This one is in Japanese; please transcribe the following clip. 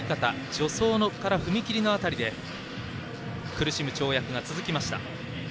助走から踏み切りの辺りで苦しむ跳躍が続きました。